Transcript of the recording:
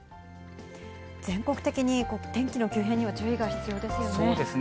全国的に天気の急変には注意が必要ですよね。